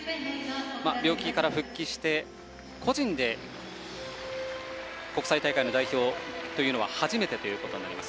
病気から復帰して個人で国際大会の代表というのは初めてとなります。